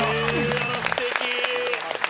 あらすてき。